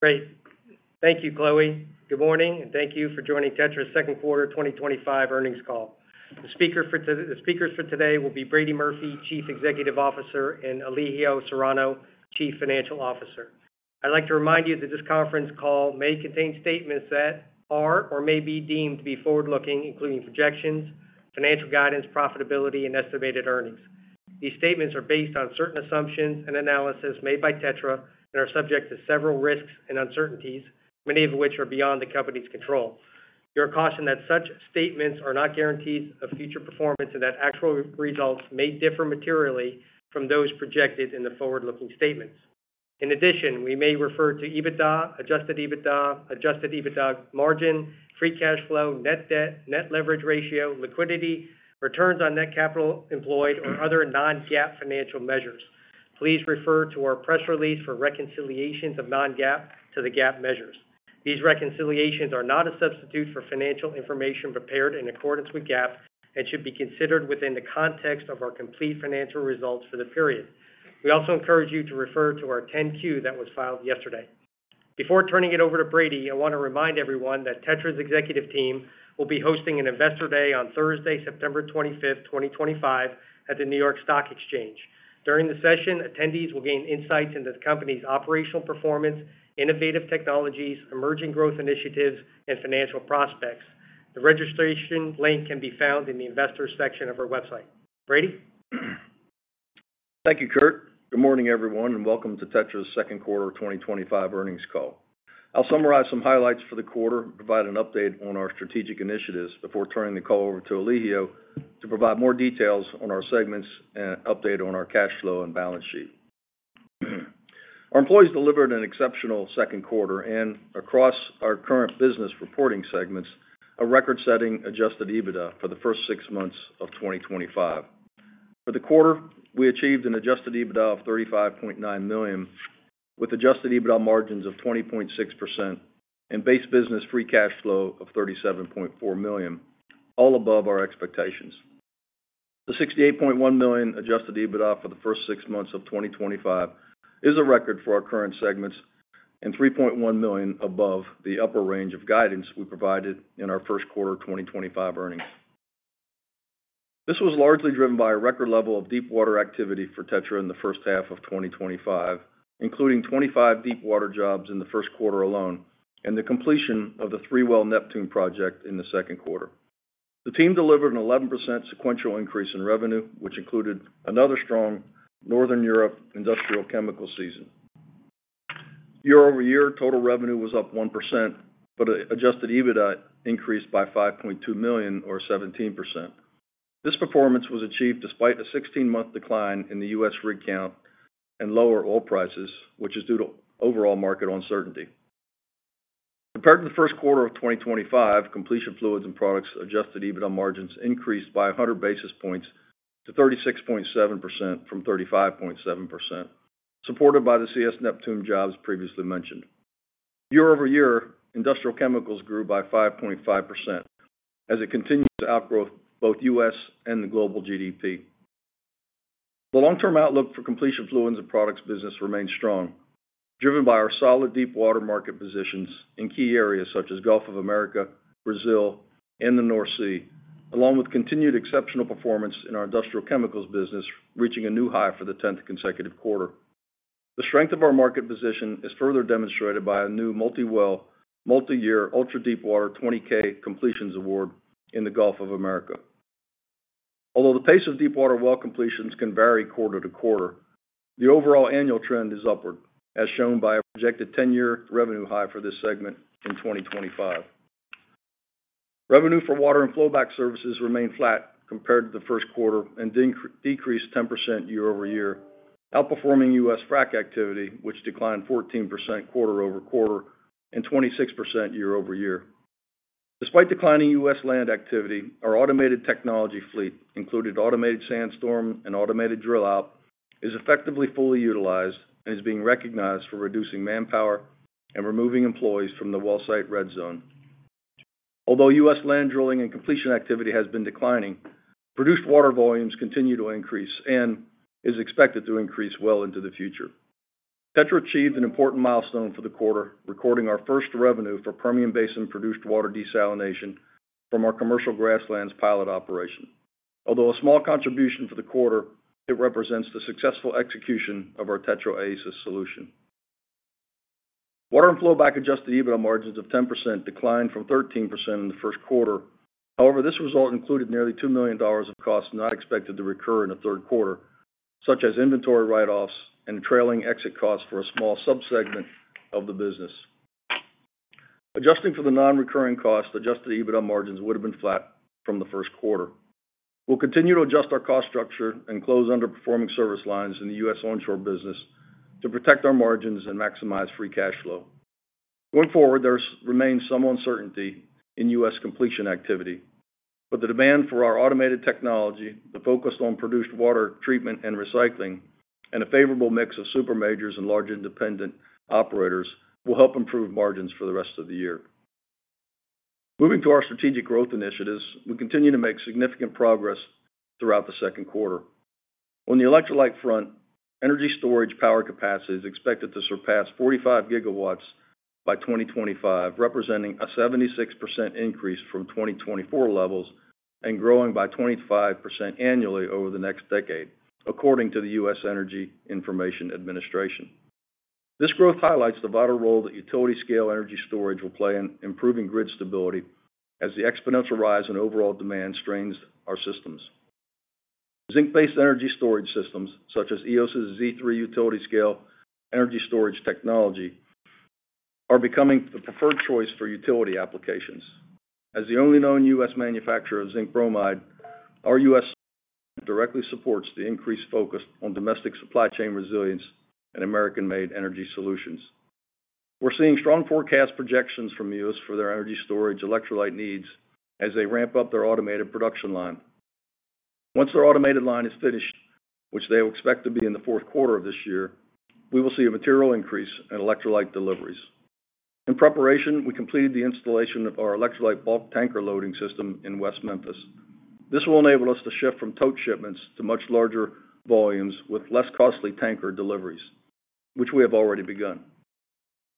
Thank you, Chloe. Good morning, and thank you for joining TETRA's second quarter 2025 earnings call. The speakers for today will be Brady Murphy, Chief Executive Officer, and Elijio Serrano, Chief Financial Officer. I'd like to remind you that this conference call may contain statements that are or may be deemed to be forward-looking, including projections, financial guidance, profitability, and estimated earnings. These statements are based on certain assumptions and analysis made by TETRA and are subject to several risks and uncertainties, many of which are beyond the company's control. We are cautioned that such statements are not guarantees of future performance and that actual results may differ materially from those projected in the forward-looking statements. In addition, we may refer to EBITDA, adjusted EBITDA, adjusted EBITDA margin, free cash flow, net debt, net leverage ratio, liquidity, returns on net capital employed, or other non-GAAP financial measures. Please refer to our press release for reconciliations of non-GAAP to the GAAP measures. These reconciliations are not a substitute for financial information prepared in accordance with GAAP and should be considered within the context of our complete financial results for the period. We also encourage you to refer to our 10-Q that was filed yesterday. Before turning it over to Brady, I want to remind everyone that TETRA's executive team will be hosting an Investor Day on Thursday, September 25th 2025, at the New York Stock Exchange. During the session, attendees will gain insights into the company's operational performance, innovative technologies, emerging growth initiatives, and financial prospects. The registration link can be found in the Investors section of our website. Brady? Thank you, Kurt. Good morning, everyone, and welcome to TETRA's second quarter 2025 earnings call. I'll summarize some highlights for the quarter, provide an update on our strategic initiatives before turning the call over to Elijio to provide more details on our segments and an update on our cash flow and balance sheet. Our employees delivered an exceptional second quarter and, across our current business reporting segments, a record-setting adjusted EBITDA for the first six months of 2025. For the quarter, we achieved an adjusted EBITDA of $35.9 million, with adjusted EBITDA margins of 20.6% and base business free cash flow of $37.4 million, all above our expectations. The $68.1 million adjusted EBITDA for the first six months of 2025 is a record for our current segments and $3.1 million above the upper range of guidance we provided in our first quarter 2025 earnings. This was largely driven by a record level of deepwater activity for TETRA Technologies in the first half of 2025, including 25 deepwater jobs in the first quarter alone and the completion of the three-well Neptune project in the second quarter. The team delivered an 11% sequential increase in revenue, which included another strong Northern Europe industrial chemical season. Year-over-year, total revenue was up 1%, but adjusted EBITDA increased by $5.2 million, or 17%. This performance was achieved despite a 16-month decline in the U.S. rig count and lower oil prices, which is due to overall market uncertainty. Compared to the first quarter of 2025, completion fluids and products' adjusted EBITDA margins increased by 100 basis points to 36.7% from 35.7%, supported by the CS Neptune jobs previously mentioned. Year-over-year, industrial chemicals grew by 5.5% as it continued to outgrow both U.S. and the global GDP. The long-term outlook for completion fluids and products' business remains strong, driven by our solid deepwater market positions in key areas such as Gulf of America, Brazil, and the North Sea, along with continued exceptional performance in our industrial chemicals business, reaching a new high for the 10th consecutive quarter. The strength of our market position is further demonstrated by a new multi-well, multi-year ultra-deepwater 20K completions award in the Gulf of America. Although the pace of deepwater well completions can vary quarter to quarter, the overall annual trend is upward, as shown by a projected 10-year revenue high for this segment in 2025. Revenue for water and flowback services remained flat compared to the first quarter and decreased 10% year-over-year, outperforming U.S. frac activity, which declined 14% quarter-over-quarter and 26% year-over-year. Despite declining U.S. land activity, our automated technology fleet, including automated SandStorm and automated Drillout, is effectively fully utilized and is being recognized for reducing manpower and removing employees from the well site red zone. Although U.S. land drilling and completion activity has been declining, produced water volumes continue to increase and are expected to increase well into the future. TETRA achieved an important milestone for the quarter, recording our first revenue for Permian Basin produced water desalination from our commercial grasslands pilot operation. Although a small contribution for the quarter, it represents the successful execution of our TETRA Oasis solution. Water and flowback adjusted EBITDA margins of 10% declined from 13% in the first quarter. However, this result included nearly $2 million of costs not expected to recur in the third quarter, such as inventory write-offs and trailing exit costs for a small subsegment of the business. Adjusting for the non-recurring costs, adjusted EBITDA margins would have been flat from the first quarter. We will continue to adjust our cost structure and close underperforming service lines in the U.S. onshore business to protect our margins and maximize free cash flow. Going forward, there remains some uncertainty in U.S. completion activity, but the demand for our automated technology, focused on produced water treatment and recycling, and a favorable mix of super majors and large independent operators will help improve margins for the rest of the year. Moving to our strategic growth initiatives, we continue to make significant progress throughout the second quarter. On the electrolyte front, energy storage power capacity is expected to surpass 45 GW by 2025, representing a 76% increase from 2024 levels and growing by 25% annually over the next decade, according to the U.S. Energy Information Administration. This growth highlights the vital role that utility-scale energy storage will play in improving grid stability as the exponential rise in overall demand strains our systems. Zinc-based energy storage systems, such as Eos Z3 utility-scale energy storage technology, are becoming the preferred choice for utility applications. As the only known U.S. manufacturer of zinc bromide, our U.S. directly supports the increased focus on domestic supply chain resilience and American-made energy solutions. We're seeing strong forecast projections from Eos for their energy storage electrolyte needs as they ramp up their automated production line. Once their automated line is finished, which they will expect to be in the fourth quarter of this year, we will see a material increase in electrolyte deliveries. In preparation, we completed the installation of our electrolyte bulk tanker loading system in West Memphis. This will enable us to shift from tote shipments to much larger volumes with less costly tanker deliveries, which we have already begun.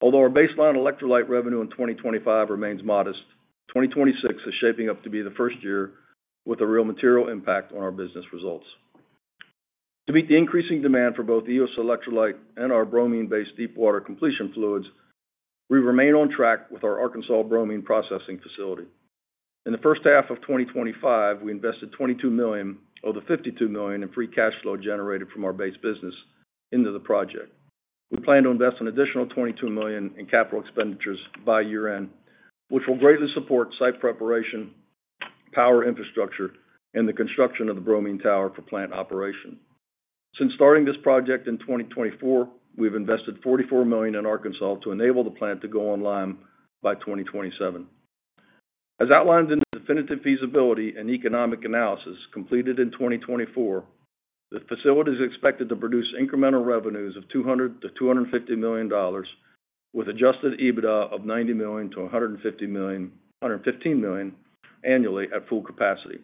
Although our baseline electrolyte revenue in 2025 remains modest, 2026 is shaping up to be the first year with a real material impact on our business results. To meet the increasing demand for both Eos electrolyte and our bromine-based deepwater completion fluids, we remain on track with our Arkansas bromine processing facility. In the first half of 2025, we invested $22 million of the $52 million in free cash flow generated from our base business into the project. We plan to invest an additional $22 million in capital expenditures by year-end, which will greatly support site preparation, power infrastructure, and the construction of the bromine tower for plant operation. Since starting this project in 2024, we've invested $44 million in Arkansas to enable the plant to go online by 2027. As outlined in definitive feasibility and economic analysis completed in 2024, the facility is expected to produce incremental revenues of $200 million-$250 million with adjusted EBITDA of $90 million-$115 million annually at full capacity.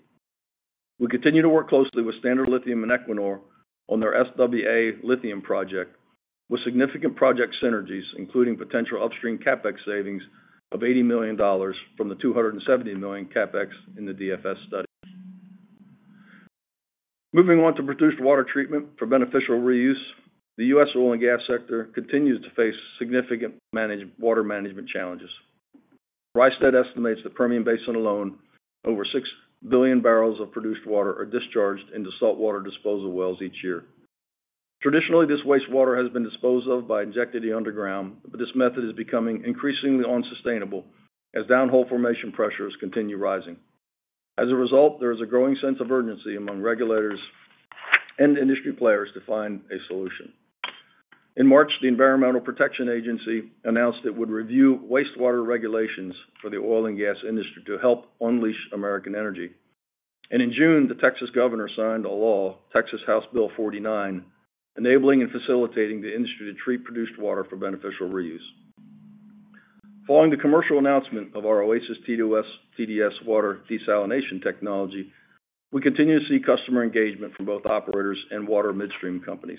We continue to work closely with Standard Lithium and Equinor on their SWA lithium project, with significant project synergies, including potential upstream CapEx savings of $80 million from the $270 million CapEx in the DFS study. Moving on to produced water treatment for beneficial reuse, the U.S. oil and gas sector continues to face significant water management challenges. Rystad estimates that Permian Basin alone, over 6 billion barrels of produced water are discharged into saltwater disposal wells each year. Traditionally, this wastewater has been disposed of by injecting it underground, but this method is becoming increasingly unsustainable as downhole formation pressures continue rising. As a result, there is a growing sense of urgency among regulators and industry players to find a solution. In March, the Environmental Protection Agency announced it would review wastewater regulations for the oil and gas industry to help unleash American energy. In June, the Texas governor signed a law, Texas House Bill 49, enabling and facilitating the industry to treat produced water for beneficial reuse. Following the commercial announcement of our Oasis TDS water desalination technology, we continue to see customer engagement from both operators and water midstream companies.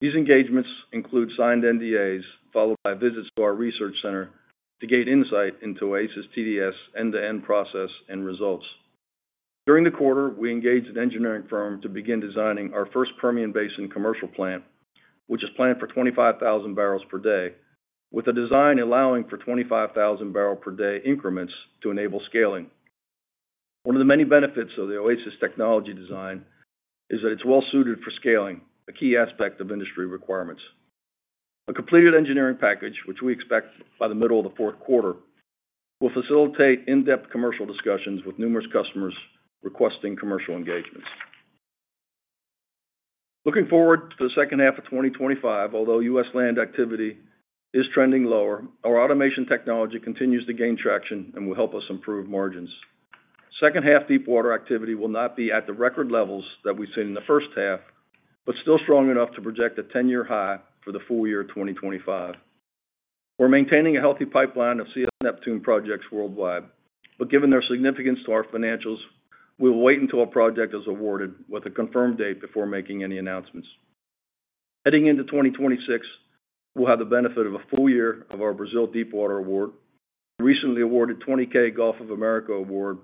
These engagements include signed NDAs, followed by visits to our research center to gain insight into Oasis TDS end-to-end process and results. During the quarter, we engaged an engineering firm to begin designing our first Permian Basin commercial plant, which is planned for 25,000 barrels per day, with a design allowing for 25,000 barrel-per-day increments to enable scaling. One of the many benefits of the Oasis technology design is that it's well suited for scaling, a key aspect of industry requirements. A completed engineering package, which we expect by the middle of the fourth quarter, will facilitate in-depth commercial discussions with numerous customers requesting commercial engagements. Looking forward to the second half of 2025, although U.S. land activity is trending lower, our automation technology continues to gain traction and will help us improve margins. Second half deepwater activity will not be at the record levels that we've seen in the first half, but still strong enough to project a 10-year high for the full year 2025. We're maintaining a healthy pipeline of CS Neptune projects worldwide, but given their significance to our financials, we will wait until a project is awarded with a confirmed date before making any announcements. Heading into 2026, we'll have the benefit of a full year of our Brazil deepwater award, recently awarded 20K Gulf of America award,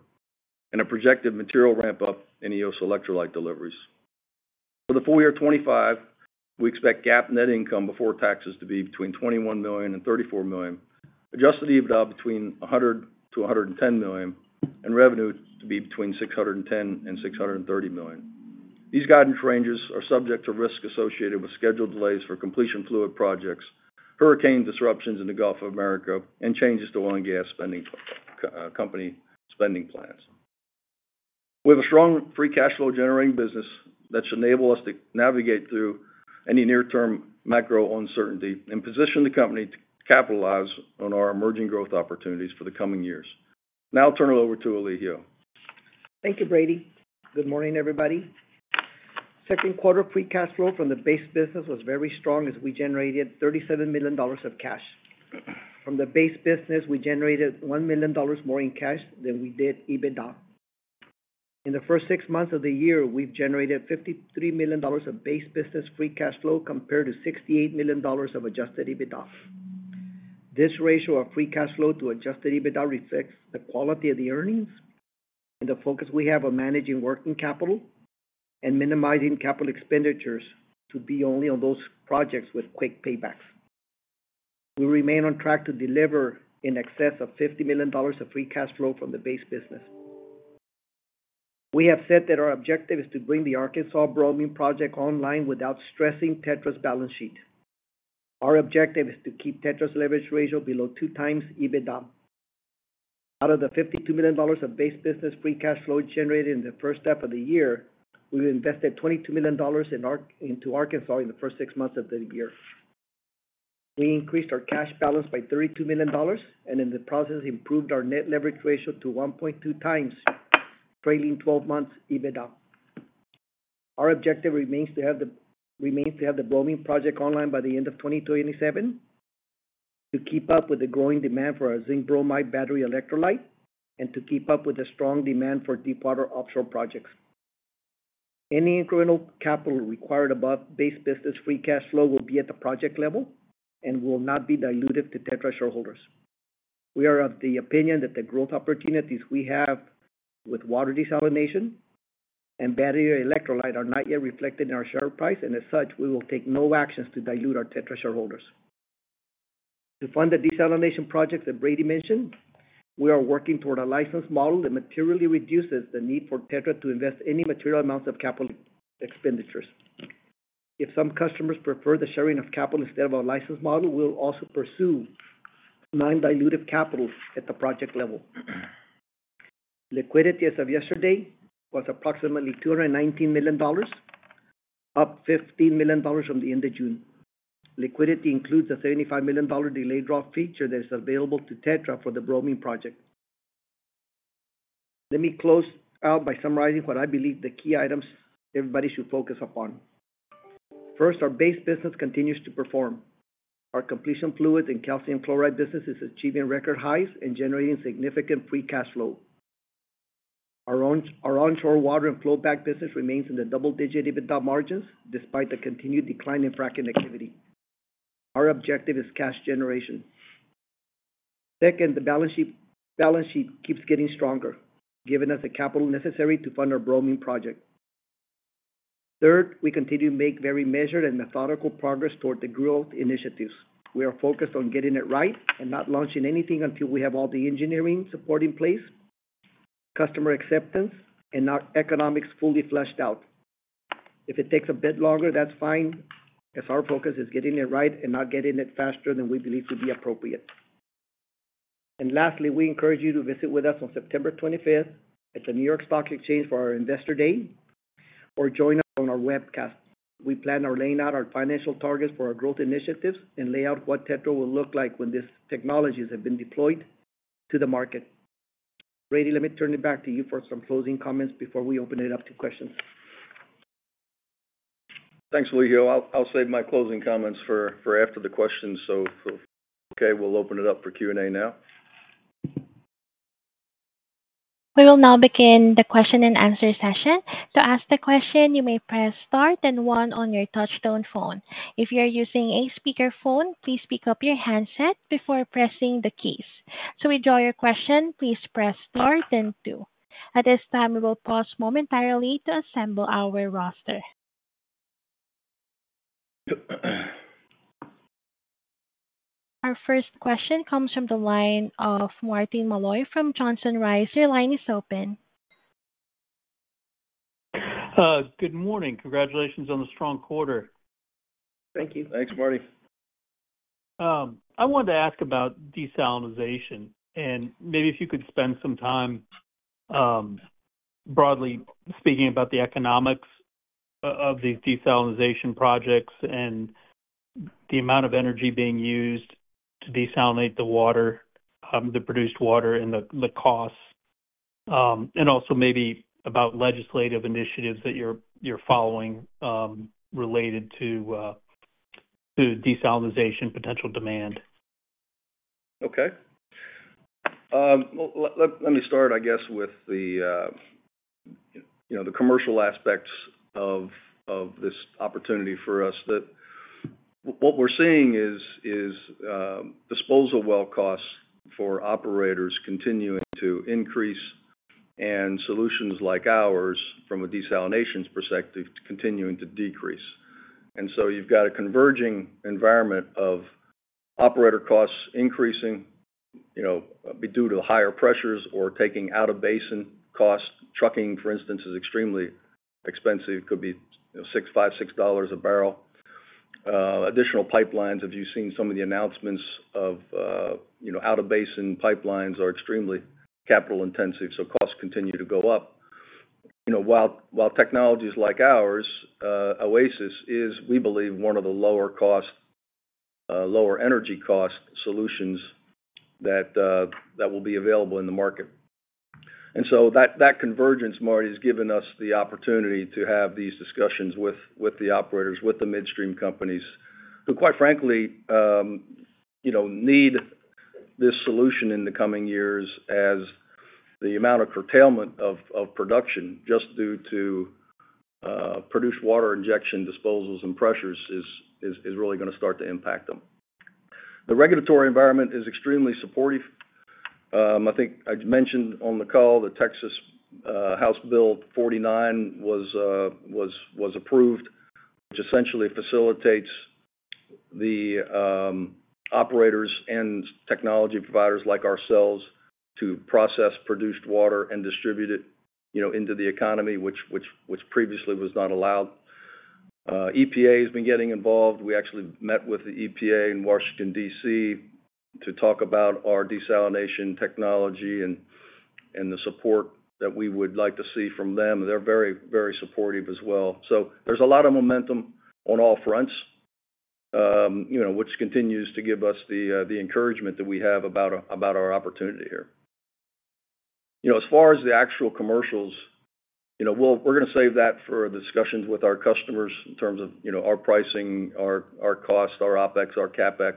and a projected material ramp-up in Eos electrolyte deliveries. For the full year 2025, we expect GAAP net income before taxes to be between $21 million and $34 million, adjusted EBITDA between $100 million-$110 million, and revenue to be between $610 million and $630 million. These guidance ranges are subject to risks associated with scheduled delays for completion fluid projects, hurricane disruptions in the Gulf of America, and changes to oil and gas company spending plans. We have a strong free cash flow generating business that should enable us to navigate through any near-term macro uncertainty and position the company to capitalize on our emerging growth opportunities for the coming years. Now I'll turn it over to Elijio. Thank you, Brady. Good morning, everybody. Second quarter free cash flow from the base business was very strong as we generated $37 million of cash. From the base business, we generated $1 million more in cash than we did EBITDA. In the first six months of the year, we've generated $53 million of base business free cash flow compared to $68 million of adjusted EBITDA. This ratio of free cash flow to adjusted EBITDA reflects the quality of the earnings and the focus we have on managing working capital and minimizing capital expenditures to be only on those projects with quick paybacks. We remain on track to deliver in excess of $50 million of free cash flow from the base business. We have said that our objective is to bring the Arkansas bromine project online without stressing TETRA's balance sheet. Our objective is to keep TETRA's leverage ratio below two times EBITDA. Out of the $53 million of base business free cash flow generated in the first half of the year, we've invested $22 million into Arkansas in the first six months of the year. We increased our cash balance by $32 million and in the process improved our net leverage ratio to 1.2x, trailing 12 months EBITDA. Our objective remains to have the bromine project online by the end of 2027 to keep up with the growing demand for our zinc-bromide battery electrolyte and to keep up with the strong demand for deepwater offshore projects. Any incremental capital required above base business free cash flow will be at the project level and will not be diluted to TETRA shareholders. We are of the opinion that the growth opportunities we have with water desalination and battery electrolyte are not yet reflected in our share price, and as such, we will take no actions to dilute our TETRA shareholders. To fund the desalination projects that Brady mentioned, we are working toward a licensed model that materially reduces the need for TETRA to invest any material amounts of capital expenditures. If some customers prefer the sharing of capital instead of a licensed model, we'll also pursue non-dilutive capital at the project level. Liquidity as of yesterday was approximately $219 million, up $15 million from the end of June. Liquidity includes a $75 million delay drop feature that is available to TETRA for the bromine project. Let me close out by summarizing what I believe the key items everybody should focus upon. First, our base business continues to perform. Our completion fluid and calcium chloride business is achieving record highs and generating significant free cash flow. Our onshore water and flowback business remains in the double-digit EBITDA margins despite the continued decline in frac activity. Our objective is cash generation. The balance sheet keeps getting stronger, giving us the capital necessary to fund our bromine project. We continue to make very measured and methodical progress toward the growth initiatives. We are focused on getting it right and not launching anything until we have all the engineering support in place, customer acceptance, and our economics fully fleshed out. If it takes a bit longer, that's fine as our focus is getting it right and not getting it faster than we believe to be appropriate. Lastly, we encourage you to visit with us on September 25th at the New York Stock Exchange for our Investor Day or join us on our webcast. We plan on laying out our financial targets for our growth initiatives and lay out what TETRA will look like when these technologies have been deployed to the market. Brady, let me turn it back to you for some closing comments before we open it up to questions. Thanks, Elijio. I'll save my closing comments for after the questions. Okay, we'll open it up for Q&A now. We will now begin the question and answer session. To ask the question, you may press star and one on your touch-tone phone. If you're using a speakerphone, please pick up your handset before pressing the keys. To withdraw your question, please press star and two. At this time, we will pause momentarily to assemble our roster. Our first question comes from the line of Martin Malloy from Johnson Rice. Your line is open. Good morning. Congratulations on the strong quarter. Thank you. Thanks, Marty. I wanted to ask about desalination and maybe if you could spend some time, broadly speaking, about the economics of these desalination projects and the amount of energy being used to desalinate the water, the produced water, and the costs, and also maybe about legislative initiatives that you're following related to desalination potential demand. Let me start with the commercial aspects of this opportunity for us. What we're seeing is disposal well costs for operators continuing to increase and solutions like ours from a desalination perspective continuing to decrease. You've got a converging environment of operator costs increasing, due to higher pressures or taking out-of-basin costs. Trucking, for instance, is extremely expensive. It could be $5, $6 a barrel. Additional pipelines, if you've seen some of the announcements of out-of-basin pipelines, are extremely capital intensive, so costs continue to go up. Technologies like ours, Oasis, is, we believe, one of the lower cost, lower energy cost solutions that will be available in the market. That convergence, Marty, has given us the opportunity to have these discussions with the operators, with the midstream companies who, quite frankly, need this solution in the coming years as the amount of curtailment of production just due to produced water injection disposals and pressures is really going to start to impact them. The regulatory environment is extremely supportive. I think I mentioned on the call that Texas House Bill 49 was approved, which essentially facilitates the operators and technology providers like ourselves to process produced water and distribute it into the economy, which previously was not allowed. EPA has been getting involved. We actually met with the EPA in Washington, D.C., to talk about our desalination technology and the support that we would like to see from them. They're very, very supportive as well. There's a lot of momentum on all fronts, which continues to give us the encouragement that we have about our opportunity here. As far as the actual commercials, we're going to save that for discussions with our customers in terms of our pricing, our cost, our OpEx, our CapEx.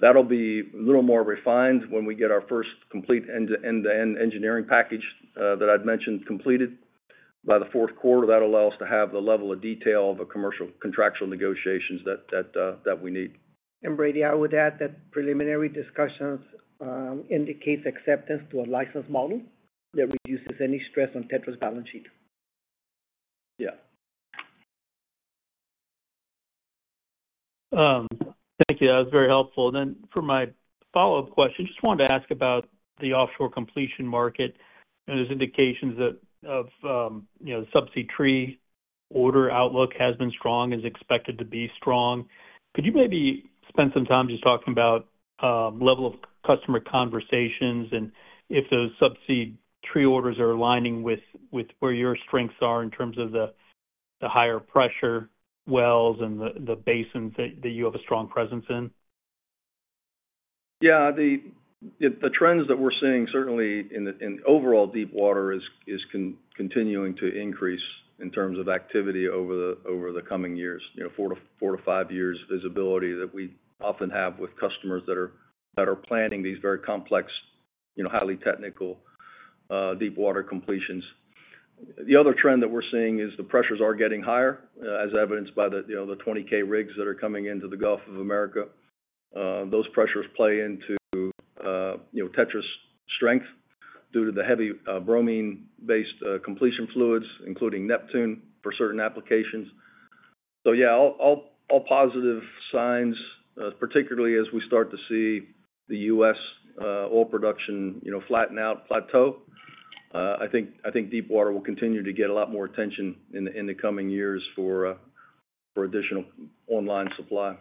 That'll be a little more refined when we get our first complete end-to-end engineering package that I've mentioned completed by the fourth quarter. That allows us to have the level of detail of a commercial contractual negotiations that we need. Brady, I would add that preliminary discussions indicate acceptance to a licensed model that reduces any stress on TETRA's balance sheet. Yeah. Thank you. That was very helpful. For my follow-up question, I just wanted to ask about the offshore completion market. There are indications the subsea tree order outlook has been strong and is expected to be strong. Could you maybe spend some time just talking about the level of customer conversations and if those subsea tree orders are aligning with where your strengths are in terms of the higher pressure wells and the basins that you have a strong presence in? Yeah, the trends that we're seeing certainly in the overall deepwater is continuing to increase in terms of activity over the coming years, four to five years visibility that we often have with customers that are planning these very complex, highly technical deepwater completions. The other trend that we're seeing is the pressures are getting higher, as evidenced by the 20K rigs that are coming into the Gulf of America. Those pressures play into TETRA's strength due to the heavy bromine-based completion fluids, including Neptune for certain applications. Yeah, all positive signs, particularly as we start to see the U.S. oil production flatten out, plateau. I think deepwater will continue to get a lot more attention in the coming years for additional online supply.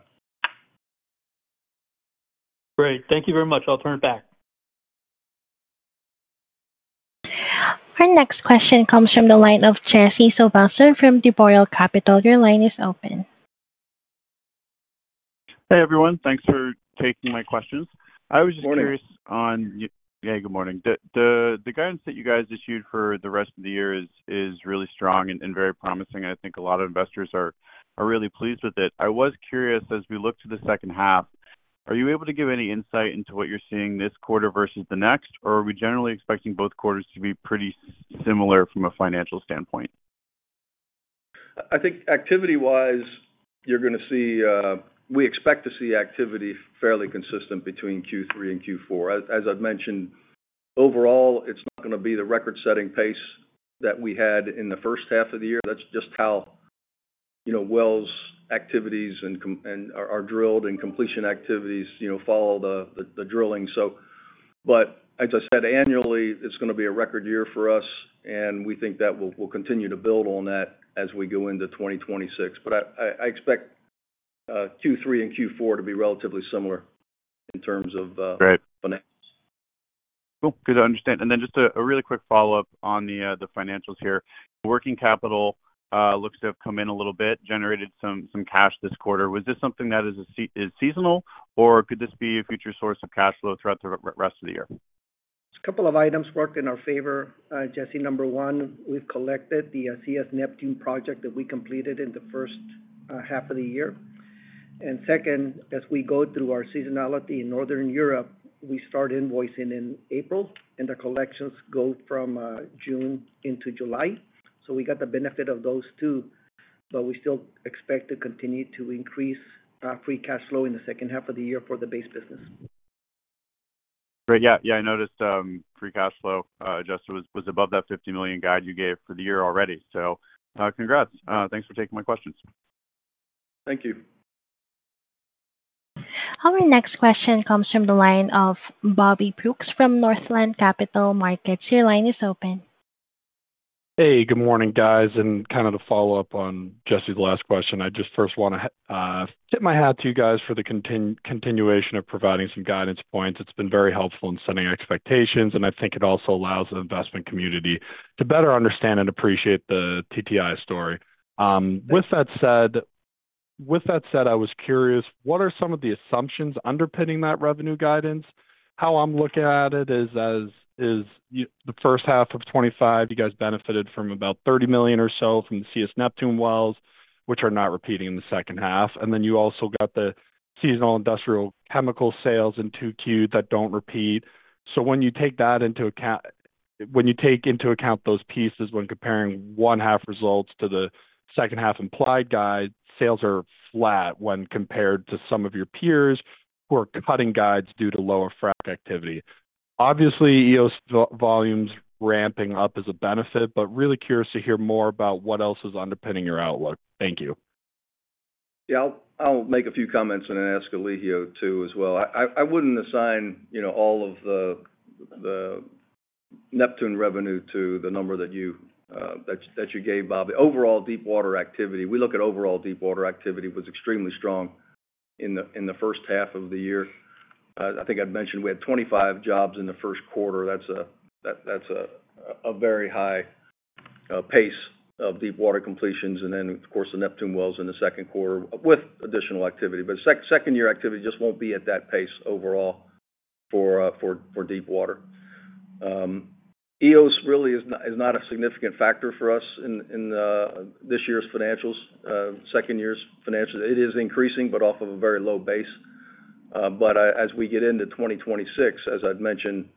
Great. Thank you very much. I'll turn it back. Our next question comes from the line of Jesse Sobelson from D. Boral Capital. Your line is open. Hey, everyone. Thanks for taking my questions. Good morning. The guidance that you guys issued for the rest of the year is really strong and very promising. I think a lot of investors are really pleased with it. I was curious, as we look to the second half, are you able to give any insight into what you're seeing this quarter versus the next, or are we generally expecting both quarters to be pretty similar from a financial standpoint? I think activity-wise, you're going to see, we expect to see activity fairly consistent between Q3 and Q4. As I've mentioned, overall, it's not going to be the record-setting pace that we had in the first half of the year. That's just how wells activities are drilled and completion activities follow the drilling. Annually, it's going to be a record year for us, and we think that we'll continue to build on that as we go into 2026. I expect Q3 and Q4 to be relatively similar in terms of financials. Good to understand. Just a really quick follow-up on the financials here. Working capital looks to have come in a little bit, generated some cash this quarter. Was this something that is seasonal, or could this be a future source of cash flow throughout the rest of the year? A couple of items work in our favor, Jesse. Number one, we've collected the three-well Neptune project that we completed in the first half of the year. Second, as we go through our seasonality in Northern Europe, we start invoicing in April, and the collections go from June into July. We got the benefit of those two, but we still expect to continue to increase free cash flow in the second half of the year for the base business. Great. Yeah, I noticed free cash flow, Jesse, was above that $50 million guide you gave for the year already. Congrats. Thanks for taking my questions. Thank you. Our next question comes from the line of Bobby Brooks from Northland Capital Markets. Your line is open. Hey, good morning, guys. To follow up on Jesse's last question, I just first want to tip my hat to you guys for the continuation of providing some guidance points. It's been very helpful in setting expectations, and I think it also allows the investment community to better understand and appreciate the TTI story. With that said, I was curious, what are some of the assumptions underpinning that revenue guidance? How I'm looking at it is as the first half of 2025, you guys benefited from about $30 million or so from the CS Neptune wells, which are not repeating in the second half. You also got the seasonal industrial chemical sales in 2Q that don't repeat. When you take that into account, when you take into account those pieces, when comparing one-half results to the second-half implied guide, sales are flat when compared to some of your peers who are cutting guides due to lower frac activity. Obviously, Eos volumes ramping up is a benefit, but really curious to hear more about what else is underpinning your outlook. Thank you. Yeah, I'll make a few comments and then ask Elijio to as well. I wouldn't assign all of the Neptune revenue to the number that you gave, Bob. The overall deepwater activity, we look at overall deepwater activity, was extremely strong in the first half of the year. I think I'd mentioned we had 25 jobs in the first quarter. That's a very high pace of deepwater completions. The Neptune wells in the second quarter had additional activity. Second-year activity just won't be at that pace overall for deepwater. Eos really is not a significant factor for us in this year's financials, second year's financials. It is increasing, but off of a very low base. As we get into 2026, as I'd mentioned,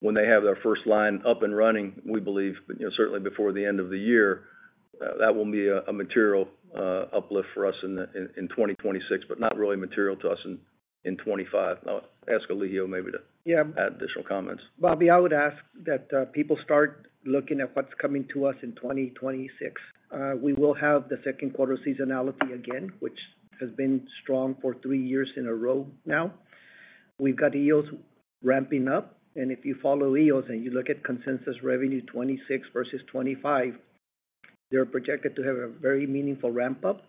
when they have their first line up and running, we believe, certainly before the end of the year, that will be a material uplift for us in 2026, but not really material to us in 2025. I'll ask Elijio maybe to add additional comments. Bobby, I would ask that people start looking at what's coming to us in 2026. We will have the second quarter seasonality again, which has been strong for three years in a row now. We've got Eos ramping up. If you follow Eos and you look at consensus revenue 2026 versus 2025, they're projected to have a very meaningful ramp-up.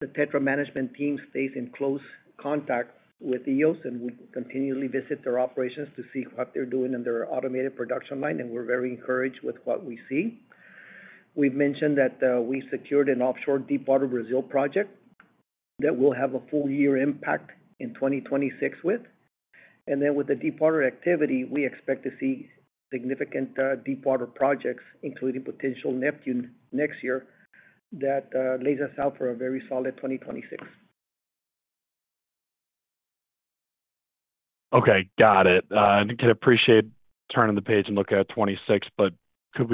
The TETRA management team stays in close contact with Eos and will continually visit their operations to see what they're doing in their automated production line. We're very encouraged with what we see. We've mentioned that we've secured an offshore deepwater Brazil project that will have a full-year impact in 2026. With the deepwater activity, we expect to see significant deepwater projects, including potential Neptune next year, that lays us out for a very solid 2026. Okay, got it. I can appreciate turning the page and looking at 2026, but could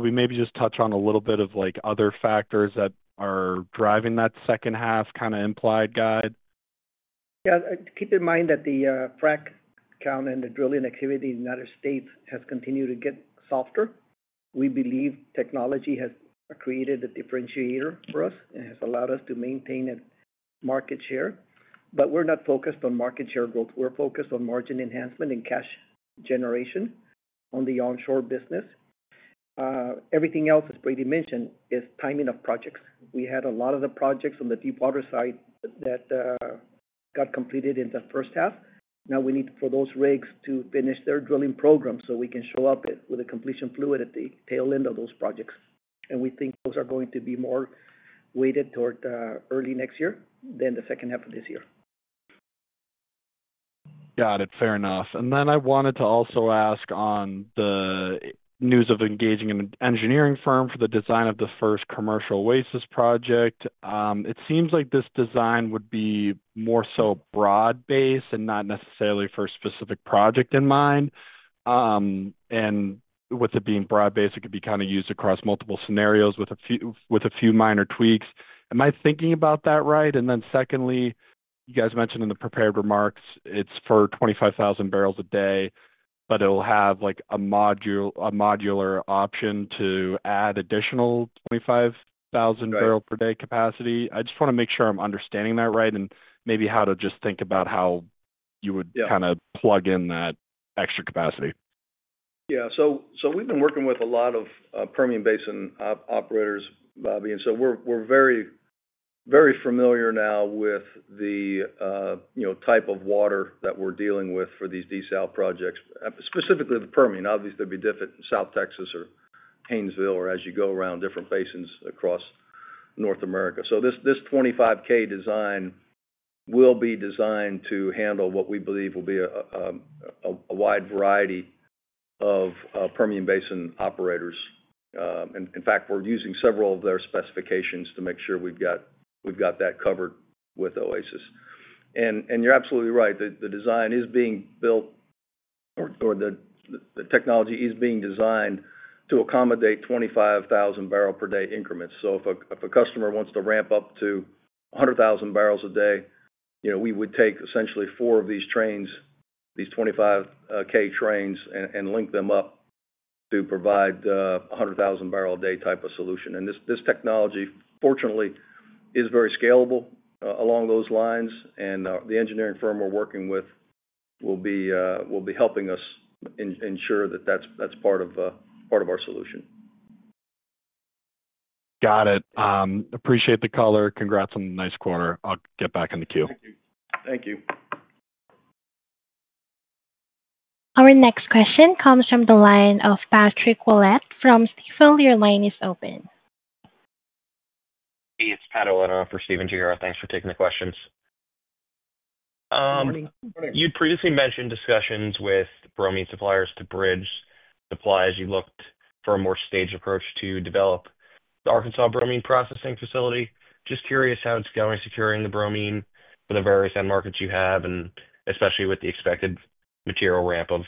we maybe just touch on a little bit of other factors that are driving that second half kind of implied guide? Yeah, keep in mind that the frac count and the drilling activity in the United States has continued to get softer. We believe technology has created a differentiator for us and has allowed us to maintain a market share. We're not focused on market share growth. We're focused on margin enhancement and cash generation on the onshore business. Everything else that Brady mentioned is timing of projects. We had a lot of the projects on the deepwater side that got completed in the first half. Now we need for those rigs to finish their drilling program so we can show up with a completion fluid at the tail end of those projects. We think those are going to be more weighted toward early next year than the second half of this year. Got it. Fair enough. I wanted to also ask on the news of engaging an engineering firm for the design of the first commercial Oasis project. It seems like this design would be more so broad-based and not necessarily for a specific project in mind. With it being broad-based, it could be kind of used across multiple scenarios with a few minor tweaks. Am I thinking about that right? You guys mentioned in the prepared remarks, it's for 25,000 barrels a day, but it'll have a modular option to add additional 25,000 barrel-per-day capacity. I just want to make sure I'm understanding that right and maybe how to just think about how you would kind of plug in that extra capacity. Yeah, we've been working with a lot of Permian Basin operators, Bobby, and we're very, very familiar now with the type of water that we're dealing with for these desal projects, specifically the Permian. Obviously, it'd be different in South Texas or Haynesville or as you go around different basins across North America. This 25K design will be designed to handle what we believe will be a wide variety of Permian Basin operators. In fact, we're using several of their specifications to make sure we've got that covered with Oasis. You're absolutely right. The design is being built, or the technology is being designed to accommodate 25,000 barrel-per-day increments. If a customer wants to ramp up to 100,000 barrels a day, we would take essentially four of these trains, these 25K trains, and link them up to provide a 100,000 barrel-a-day type of solution. This technology, fortunately, is very scalable along those lines. The engineering firm we're working with will be helping us ensure that that's part of our solution. Got it. Appreciate the color. Congrats on the nice quarter. I'll get back in the queue. Thank you. Our next question comes from the line of Patrick Ouellette from Stifel. Your line is open. Hey, it's Pat Ouellette on for Stephen Gengaro. Thanks for taking the questions. You'd previously mentioned discussions with bromine suppliers to bridge the suppliers. You looked for a more staged approach to develop the Arkansas bromine processing facility. Just curious how it's going securing the bromine for the various end markets you have, and especially with the expected material ramp of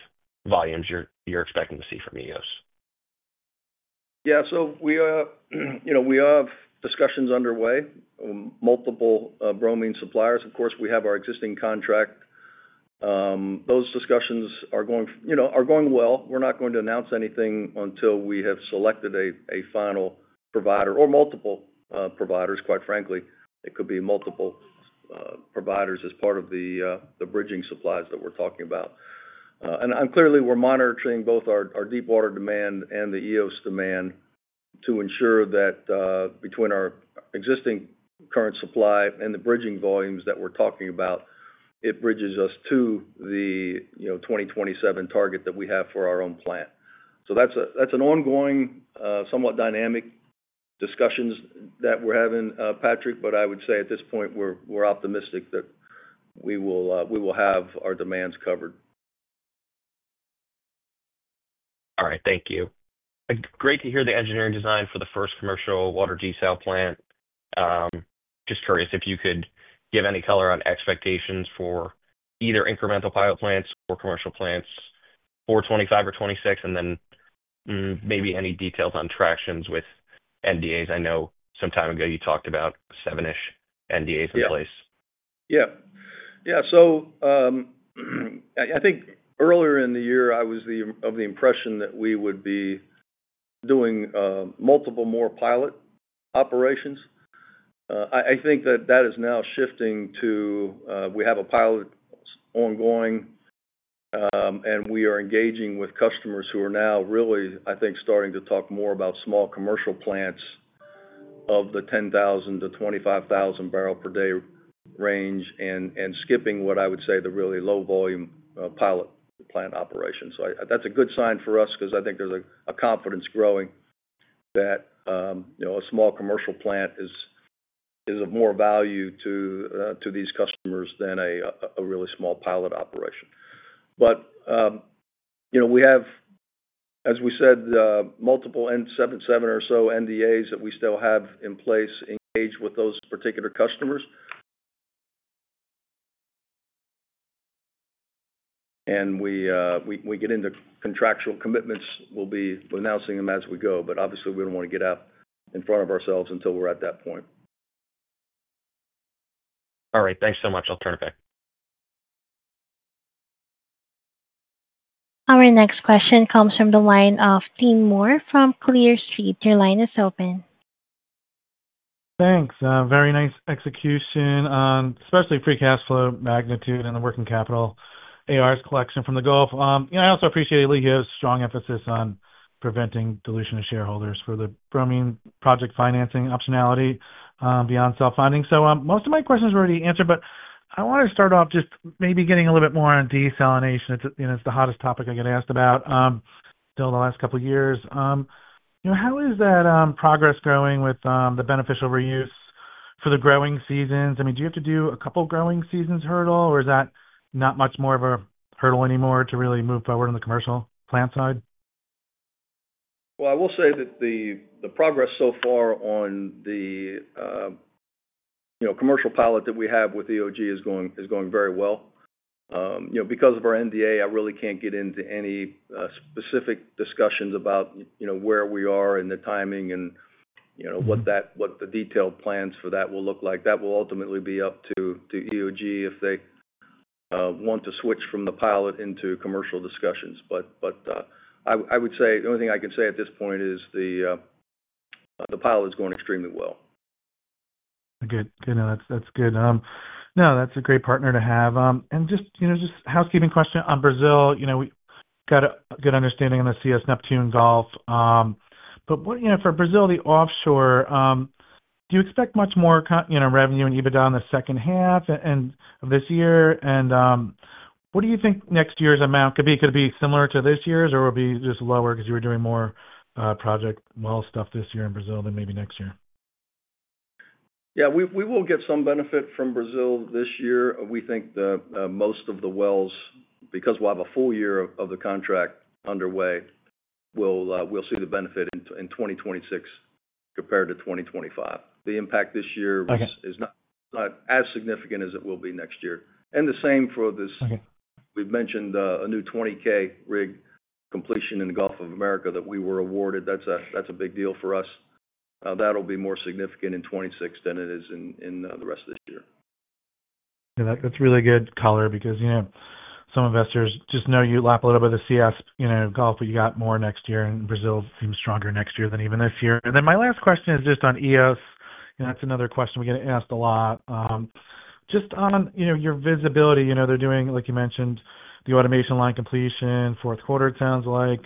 volumes you're expecting to see from Eos. Yeah, we have discussions underway with multiple bromine suppliers. Of course, we have our existing contract. Those discussions are going well. We're not going to announce anything until we have selected a final provider or multiple providers, quite frankly. It could be multiple providers as part of the bridging supplies that we're talking about. Clearly, we're monitoring both our deepwater demand and the Eos demand to ensure that between our existing current supply and the bridging volumes that we're talking about, it bridges us to the 2027 target that we have for our own plant. That's an ongoing, somewhat dynamic discussion that we're having, Patrick, but I would say at this point, we're optimistic that we will have our demands covered. All right, thank you. Great to hear the engineering design for the first commercial water desal plant. Just curious if you could give any color on expectations for either incremental pilot plants or commercial plants for 2025 or 2026, and then maybe any details on tractions with NDAs. I know some time ago you talked about seven-ish NDAs in place. I think earlier in the year, I was of the impression that we would be doing multiple more pilot operations. I think that is now shifting to we have a pilot ongoing, and we are engaging with customers who are now really starting to talk more about small commercial plants of the 10,000-25,000 barrel-per-day range and skipping what I would say the really low volume pilot plant operation. That's a good sign for us because I think there's a confidence growing that a small commercial plant is of more value to these customers than a really small pilot operation. We have, as we said, multiple, seven or so NDAs that we still have in place engaged with those particular customers. As we get into contractual commitments, we'll be announcing them as we go, but obviously, we don't want to get out in front of ourselves until we're at that point. All right, thanks so much. I'll turn it back. Our next question comes from the line of Tim Moore from Clear Street. Your line is open. Thanks. Very nice execution on especially free cash flow magnitude and the working capital ARs collection from the Gulf. I also appreciate Elijio's strong emphasis on preventing dilution of shareholders for the bromine project financing optionality beyond self-funding. Most of my questions were already answered, but I wanted to start off just maybe getting a little bit more on desalination. It's the hottest topic I get asked about, still the last couple of years. How is that progress going with the beneficial reuse for the growing seasons? Do you have to do a couple growing seasons hurdle, or is that not much more of a hurdle anymore to really move forward on the commercial plant side? The progress so far on the commercial pilot that we have with EOG is going very well. Because of our NDA, I really can't get into any specific discussions about where we are in the timing and what the detailed plans for that will look like. That will ultimately be up to EOG if they want to switch from the pilot into commercial discussions. I would say the only thing I can say at this point is the pilot is going extremely well. No, that's good. That's a great partner to have. Just a housekeeping question on Brazil. We got a good understanding in the CS Neptune Gulf. For Brazil, the offshore, do you expect much more revenue and EBITDA in the second half of this year? What do you think next year's amount could be? Could it be similar to this year's, or would it be just lower because you were doing more project well stuff this year in Brazil than maybe next year? Yeah, we will get some benefit from Brazil this year. We think that most of the wells, because we'll have a full year of the contract underway, we'll see the benefit in 2026 compared to 2025. The impact this year is not as significant as it will be next year. We have mentioned a new multi-year, ultra-deepwater 20K completions award in the Gulf of America that we were awarded. That's a big deal for us. That'll be more significant in 2026 than it is in the rest of the year. Yeah, that's really good color because, you know, some investors just know you lap a little bit of the CS, you know, Gulf but you got more next year, and Brazil seems stronger next year than even this year. My last question is just on Eos. You know, that's another question we get asked a lot. Just on, you know, your visibility, you know, they're doing, like you mentioned, the automation line completion fourth quarter, it sounds like.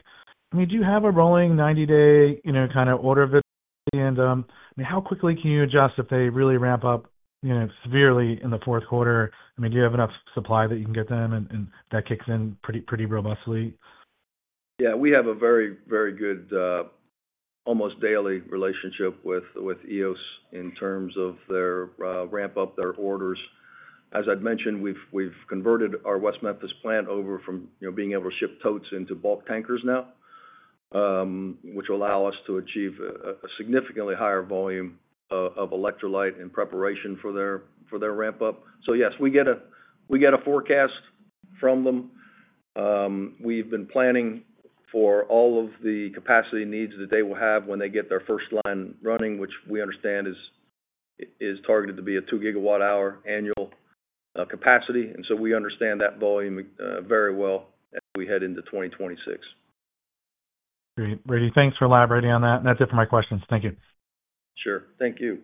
I mean, do you have a rolling 90-day, you know, kind of order of it? I mean, how quickly can you adjust if they really ramp up, you know, severely in the fourth quarter? I mean, do you have enough supply that you can get them and that kicks in pretty, pretty robustly? Yeah, we have a very, very good, almost daily relationship with Eos in terms of their ramp-up, their orders. As I'd mentioned, we've converted our West Memphis plant over from, you know, being able to ship totes into bulk tankers now, which will allow us to achieve a significantly higher volume of electrolyte in preparation for their ramp-up. Yes, we get a forecast from them. We've been planning for all of the capacity needs that they will have when they get their first line running, which we understand is targeted to be a 2 GW-hour annual capacity. We understand that volume very well as we head into 2026. Great. Brady, thanks for elaborating on that. That's it for my questions. Thank you. Sure. Thank you.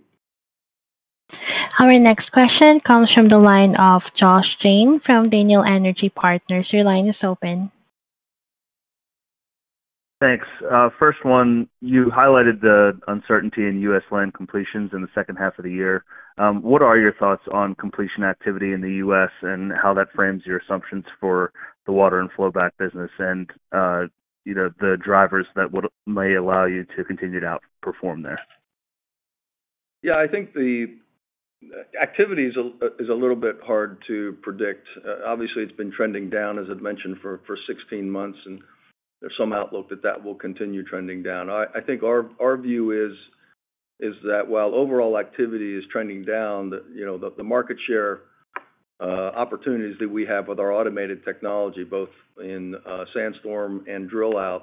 Our next question comes from the line of Josh Jayne from Daniel Energy Partners. Your line is open. Thanks. First one, you highlighted the uncertainty in U.S. land completions in the second half of the year. What are your thoughts on completion activity in the U.S. and how that frames your assumptions for the water and flowback business and, you know, the drivers that may allow you to continue to outperform there? Yeah, I think the activity is a little bit hard to predict. Obviously, it's been trending down, as I'd mentioned, for 16 months, and there's some outlook that that will continue trending down. I think our view is that while overall activity is trending down, the market share opportunities that we have with our automated technology, both in SandStorm and Drillout,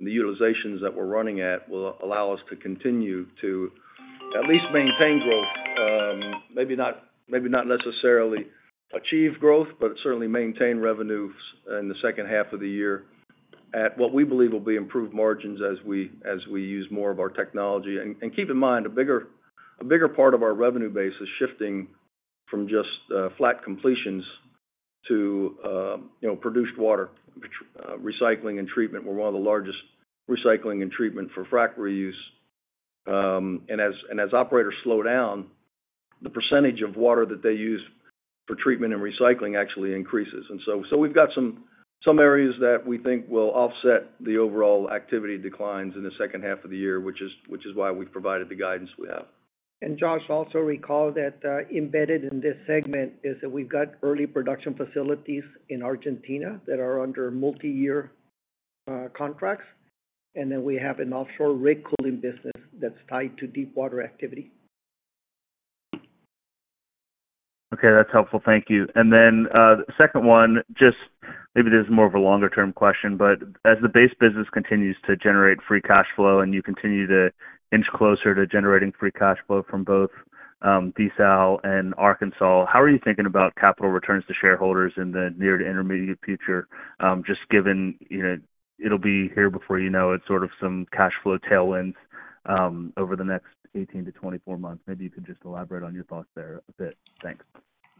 the utilizations that we're running at will allow us to continue to at least maintain growth. Maybe not necessarily achieve growth, but certainly maintain revenues in the second half of the year at what we believe will be improved margins as we use more of our technology. Keep in mind, a bigger part of our revenue base is shifting from just flat completions to produced water, recycling, and treatment. We're one of the largest recycling and treatment for frac reuse. As operators slow down, the percentage of water that they use for treatment and recycling actually increases. We've got some areas that we think will offset the overall activity declines in the second half of the year, which is why we've provided the guidance we have. Josh also recall that embedded in this segment is that we've got early production facilities in Argentina that are under multi-year contracts, and we have an offshore rig cooling business that's tied to deepwater activity. Okay, that's helpful. Thank you. The second one, maybe this is more of a longer-term question, but as the base business continues to generate free cash flow and you continue to inch closer to generating free cash flow from both desal and Arkansas, how are you thinking about capital returns to shareholders in the near to intermediate future? Just given, you know, it'll be here before you know it, sort of some cash flow tailwinds over the next 18-24 months. Maybe you could just elaborate on your thoughts there a bit. Thanks.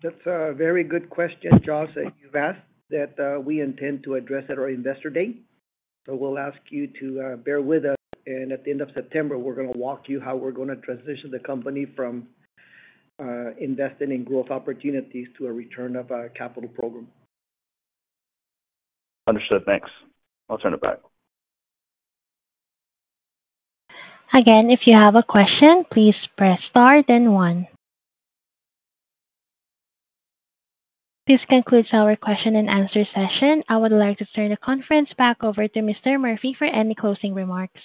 That's a very good question, Josh, that you've asked, that we intend to address at our Investor Day. We'll ask you to bear with us. At the end of September, we're going to walk you through how we're going to transition the company from investing in growth opportunities to a return of capital program. Understood. Thanks. I'll turn it back. Again, if you have a question, please press star and one. This concludes our question-and-answer session. I would like to turn the conference back over to Mr. Murphy for any closing remarks.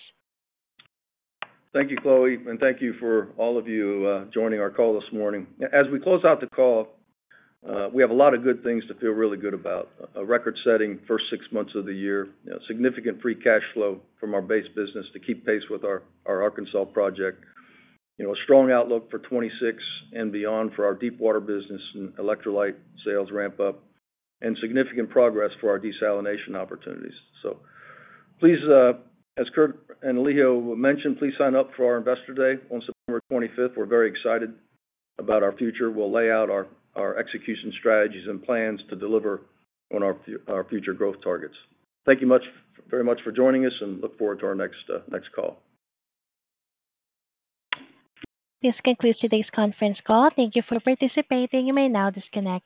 Thank you, Chloe, and thank you for all of you joining our call this morning. As we close out the call, we have a lot of good things to feel really good about. A record-setting first six months of the year, significant free cash flow from our base business to keep pace with our Arkansas project, a strong outlook for 2026 and beyond for our deepwater business and electrolyte sales ramp-up, and significant progress for our desalination opportunities. Please, as Kurt and Elijio mentioned, sign up for our Investor Day on September 25th. We're very excited about our future. We'll lay out our execution strategies and plans to deliver on our future growth targets. Thank you very much for joining us and look forward to our next call. This concludes today's conference call. Thank you for participating. You may now disconnect.